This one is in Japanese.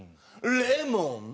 レモン。